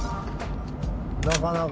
なかなか。